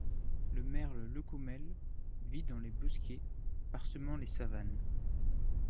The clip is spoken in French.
Le merle leucomèle vit dans les bosquets parsemant les savanes.